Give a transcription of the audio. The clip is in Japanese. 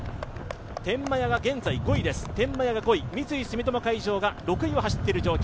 天満屋が現在５位、三井住友海上が６位を走っている状況。